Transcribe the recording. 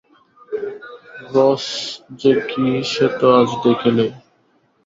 রস যে কী সে তো আজ দেখিলে?